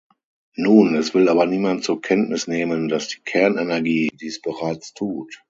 Nun, es will aber niemand zur Kenntnis nehmen, dass die Kernenergie dies bereits tut.